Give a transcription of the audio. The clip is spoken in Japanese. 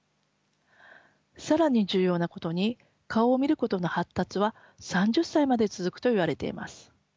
更に重要なことに顔を見ることの発達は３０歳まで続くといわれています。